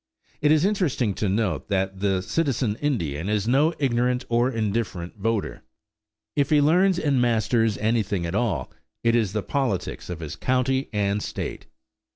It is interesting to note that the citizen Indian is no ignorant or indifferent voter. If he learns and masters anything at all, it is the politics of his county and state.